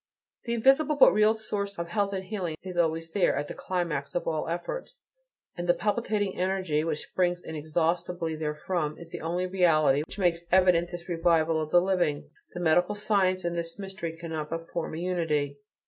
The invisible but real source of health and healing is always there, at the climax of all efforts; and the palpitating energy which springs inexhaustibly therefrom is the only reality which makes evident this revival of the living. This medical science and this mystery cannot but form a unity.